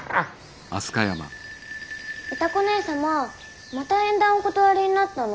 歌子姉さままた縁談お断りになったの？